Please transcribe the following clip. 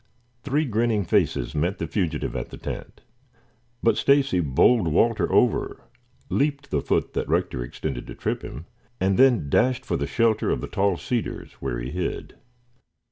Three grinning faces met the fugitive at the tent. But Stacy bowled Walter over, leaped the foot that Rector extended to trip him, and then dashed for the shelter of the tall cedars, where he hid.